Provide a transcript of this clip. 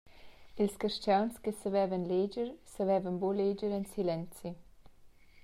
Ils carstgauns che savevan leger savevan buca leger en silenzi.